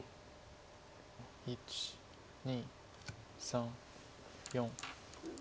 １２３４。